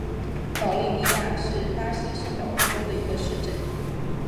保利尼亚是巴西圣保罗州的一个市镇。